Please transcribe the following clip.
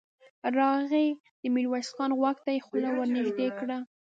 راغی، د ميرويس خان غوږ ته يې خوله ور نږدې کړه.